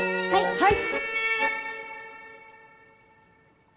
はい！